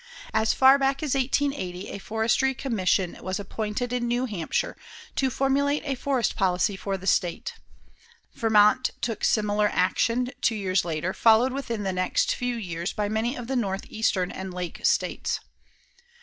As far back as 1880, a forestry commission was appointed in New Hampshire to formulate a forest policy for the State. Vermont took similar action two years later, followed within the next few years by many of the northeastern and lake states.